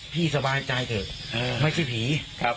พี่สบายใจเถอะไม่ใช่ผี